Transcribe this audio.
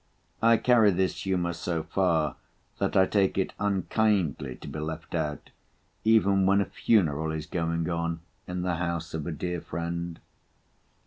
I carry this humour so far, that I take it unkindly to be left out, even when a funeral is going on in the house of a dear friend.